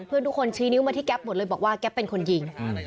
เพื่อนทุกคนชี้นิ้วมาที่แป๊บหมดเลยบอกว่าแก๊ปเป็นคนยิง